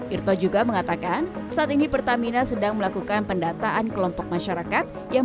irto juga mengatakan saat ini pertamina sedang melakukan pendataan kelompok masyarakat yang